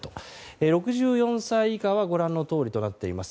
６４歳以下はご覧のとおりとなっています。